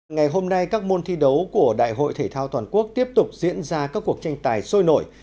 ngày hôm nay các môn thi đấu của đại hội thể thao toàn quốc tiếp tục diễn ra các cuộc tranh tài sôi nổi